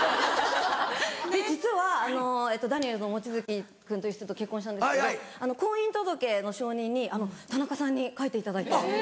で実はダニエルズの望月君という人と結婚したんですけど婚姻届の証人に田中さんに書いていただいて。